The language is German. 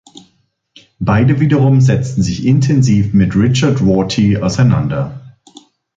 Beide wiederum setzten sich intensiv mit Richard Rorty auseinander.